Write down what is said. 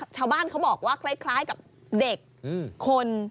ชาวบ้านเขาบอกว่าคล้ายกับเด็กคน